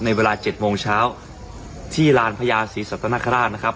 เวลา๗โมงเช้าที่ลานพญาศรีสัตนคราชนะครับ